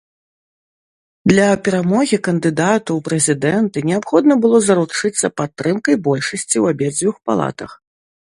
Для перамогі кандыдату ў прэзідэнты неабходна было заручыцца падтрымкай большасці ў абедзвюх палатах.